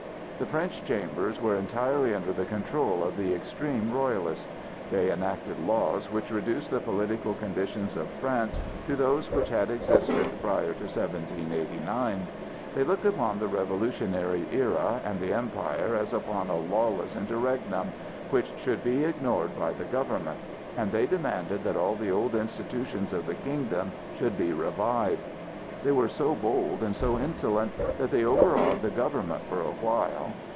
The French Chambers were entirely under the control of the extreme Royalists. They enacted laws which reduced the political conditions of France to those which had existed prior to 1789. They looked upon the Revolutionary era and the Empire as upon a lawless interregnum which should be ignored by the government, and they demanded that all the old institutions of the kingdom should be revived. They were so bold and so insolent that they overawed the government for a while.